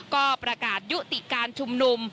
ก็ประกาศยุติการชุมนุม